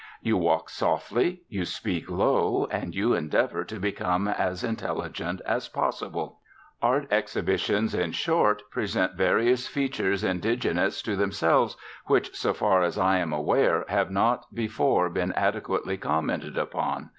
You walk softly, you speak low, and you endeavour to become as intelligent as possible. Art exhibitions, in short, present various features indigenous to themselves which, so far as I am aware, have not before been adequately commented upon.